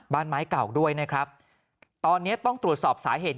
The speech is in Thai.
บ้านไม้เก่าด้วยนะครับตอนนี้ต้องตรวจสอบสาเหตุ